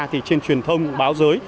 thì trên truyền thông báo giới